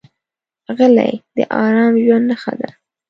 غلی، د ارام ژوند نښه ده.